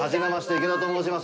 池田と申します。